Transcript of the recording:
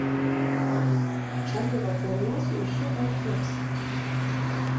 Чаму вакол нас усё так кепска?